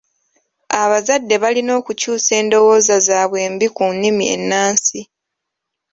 Abazadde balina okukyusa endowooza zaabwe embi ku nnimi ennansi.